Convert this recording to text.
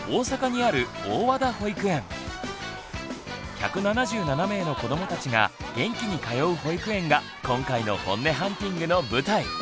１７７名の子どもたちが元気に通う保育園が今回のホンネハンティングの舞台。